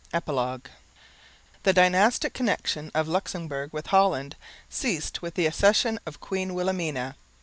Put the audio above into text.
EPILOGUE The dynastic connection of Luxemburg with Holland ceased with the accession of Queen Wilhelmina.